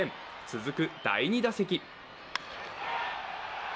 続く第２打席。